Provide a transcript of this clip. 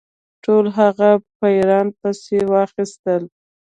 ټول هغه پیران پسي واخیستل.